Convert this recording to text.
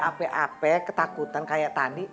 ape ape ketakutan kayak tadi